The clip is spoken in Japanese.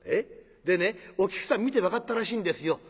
「でねお菊さん見て分かったらしいんですよ。